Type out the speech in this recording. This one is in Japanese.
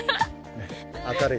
明るい。